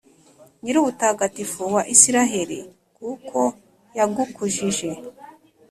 nyir’ubutagatifu wa israheli, kuko yagukujije.